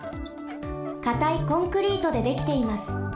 かたいコンクリートでできています。